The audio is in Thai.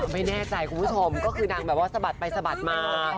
ไม่แน่ใจคุณผู้ชมก็คือนางแบบว่าสะบัดไปสะบัดมา